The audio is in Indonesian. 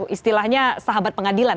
istilahnya sahabat pengadilan